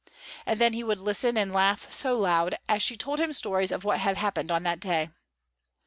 And then he would listen and laugh so loud, as she told him stories of what had happened on that day.